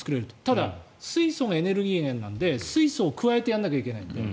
ただ、水素がエネルギー源なので水素を加えてやらないといけない。